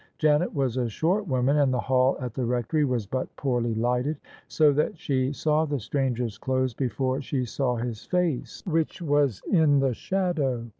Janet was a short woman, and the hall at the Rectory was but poorly lighted ; so that she saw the stranger's clothes before she saw his face, which was in the shadow.